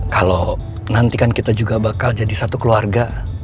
kalau nanti kan kita juga bakal jadi satu keluarga